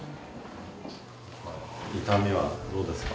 痛みはどうですか？